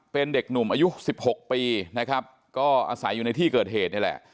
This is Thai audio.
เป็นเด็กหนุ่มอายุ๑๖ปีนะครับก็อาศัยอยู่ในที่เกิดเหตุนี่แหละ